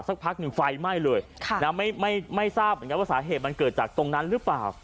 สักพักหนึ่งไฟไหม้เลยไม่ทราบเหมือนกันว่าสาเหตุมันเกิดจากตรงนั้นหรือเปล่า